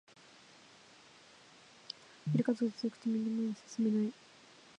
ビル風が強くてみんな前に進めない